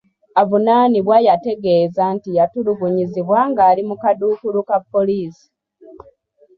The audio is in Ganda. Avunaanibwa yategeeza nti yatulugunyizibwa nga ali mu kaduukulu ka poliisi.